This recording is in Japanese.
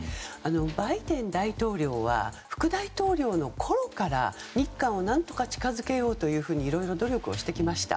バイデン大統領は副大統領のころから日韓を何とか近づけようと努力をしてきました。